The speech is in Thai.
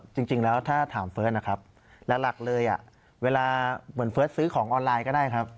จริงแล้วถ้าถามเฟิร์สนะครับหลักเลยเวลาเหมือนเฟิร์สซื้อของออนไลน์ก็ได้ครับ